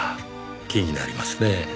気になりますねぇ。